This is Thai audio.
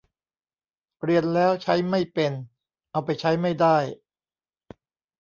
เรียนแล้วใช้ไม่เป็น เอาไปใช้ไม่ได้